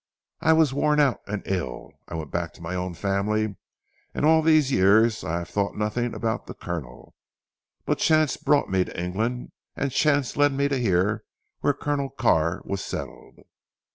I was worn out and ill. I went back to my own family, and all these years I thought nothing about the Colonel. But chance brought me to England, and chance led me to hear where Colonel Carr was settled.